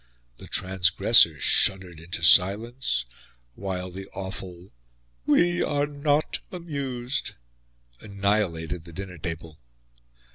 The transgressor shuddered into silence, while the awful "We are not amused" annihilated the dinner table.